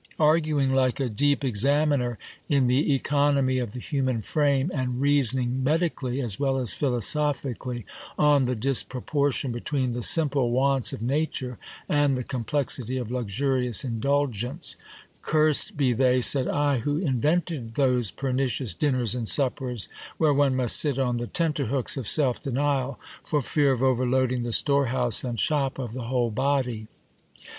Arguing like a deep examiner in the economy of the human frame, and reasoning medically as well as philosophically, on the disproportion between the simple wants of nature and the complexity of luxurious indulgence ; cursed be they, said I, who invented those pernicious dinners and suppers, where one must sit on the ten terhooks of self denial, for fear of overloading the storehouse and shop of the whole body